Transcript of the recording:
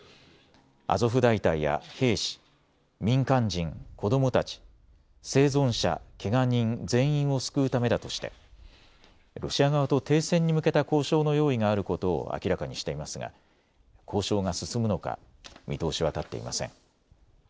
アゾフ大隊や兵士、民間人、子どもたち、生存者、けが人、全員を救うためだとしてロシア側と停戦に向けた交渉の用意があることを明らかにしていますが交渉が進むのか見通しは立っていません。